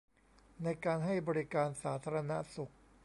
ในการให้บริการสาธารณสุข